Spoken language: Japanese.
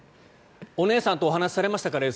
お姉さんとお話しされましたか？